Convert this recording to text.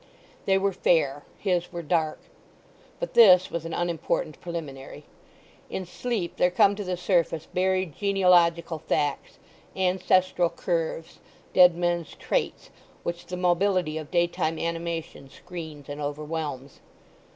They were fair: his were dark. But this was an unimportant preliminary. In sleep there come to the surface buried genealogical facts, ancestral curves, dead men's traits, which the mobility of daytime animation screens and overwhelms.